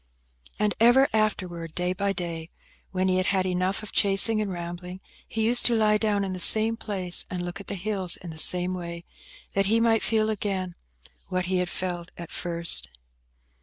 And ever afterwards, day by day, when he had had enough of chasing and rambling, he used to lie down in the same place, and look at the hills in the same way, that he might feel again what he had felt at first.